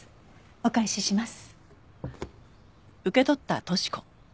お返しします。